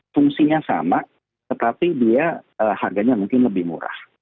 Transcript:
fungsinya sama tetapi dia harganya mungkin lebih murah